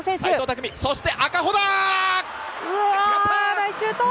ナイスシュート！